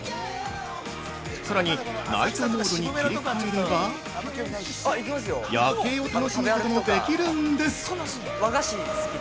さらに、ナイトモードに切り替えれば夜景を楽しむこともできるんです。